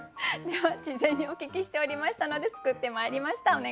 では事前にお聞きしておりましたので作ってまいりました